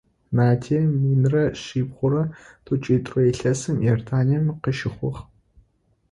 Надия минрэ шъибгъурэ тӏокӏитӏурэ илъэсым Иорданием къыщыхъугъ.